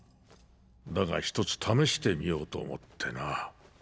だが一つ試してみようと思ってな。